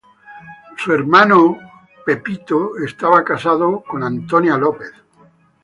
Su hermano Warren estaba casado con Angela Kinsey.